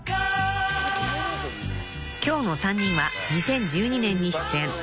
［今日の３人は２０１２年に出演］